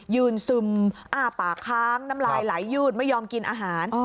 ซึมอ้าปากค้างน้ำลายไหลยืดไม่ยอมกินอาหาร